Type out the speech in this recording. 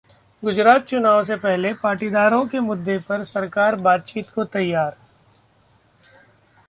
गुजरात चुनाव से पहले पाटीदारों के मुद्दे पर सरकार बातचीत को तैयार